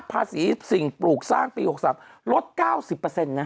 ภาษีสิ่งปลูกสร้างปี๖๓ลด๙๐นะ